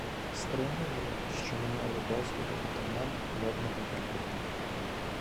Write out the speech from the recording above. Стримувало, що не мали дозволу отамана Холодного Яру.